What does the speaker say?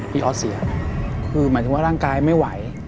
ออสเสียคือหมายถึงว่าร่างกายไม่ไหว